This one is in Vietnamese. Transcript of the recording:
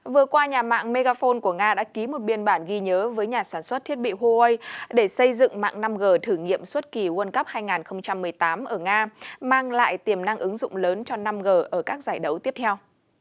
vừa qua nhà mạng megaphone của nga đã ký một biên bản ghi nhớ với nhà sản xuất thiết bị huawei để xây dựng mạng năm g thử nghiệm suốt kỳ world cup hai nghìn một mươi tám ở nga mang lại tiềm năng ứng dụng lớn cho năm g ở các giải đấu tiếp theo